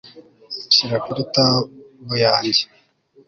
Shyira kuri tab yanjye